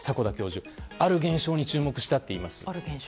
ある現象に注目したと言います。